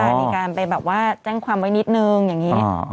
มีการไปแบบว่าแจ้งความไว้นิดนึงอย่างนี้